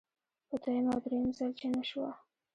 په دویم او دریم ځل چې نشوه.